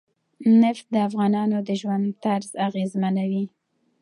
نفت د افغانانو د ژوند طرز اغېزمنوي.